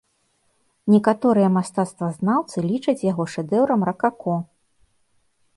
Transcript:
Некаторыя мастацтвазнаўцы лічаць яго шэдэўрам ракако.